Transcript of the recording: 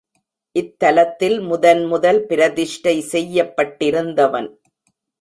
இத்தலத்தில் முதன் முதல் பிரதிஷ்டை செய்யப் பட்டிருந்தவன்.